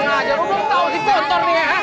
mbak gontor ini lha